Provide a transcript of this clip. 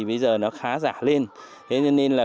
bây giờ nó khá giả lên thế cho nên là